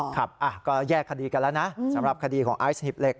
ครับก็แยกคดีกันแล้วนะสำหรับคดีของไอซ์หิบเหล็